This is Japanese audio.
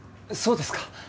そうですか。